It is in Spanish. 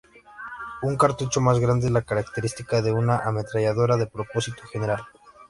Un cartucho más grande es la característica de una ametralladora de propósito general.